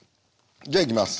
じゃいきます。